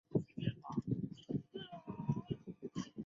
随后中国铁路文工团转为企业单位。